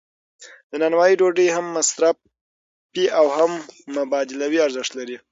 د نانوایی ډوډۍ هم مصرفي او هم مبادلوي ارزښت لري.